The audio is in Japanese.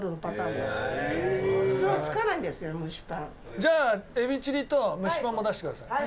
じゃあ、エビチリと蒸しパンも出してください。